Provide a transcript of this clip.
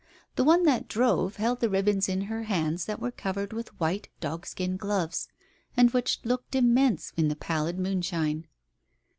... The one that drove held the ribbons in hands that were covered with white dog skin gloves, and which looked immense in the pallid moonshine.